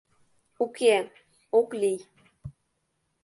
«Уке, ок лий.